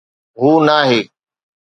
هو، ناهي.